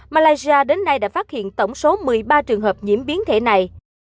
malaysia đến nay đã phát hiện tổng số một mươi ba trường hợp nhiễm biến thể này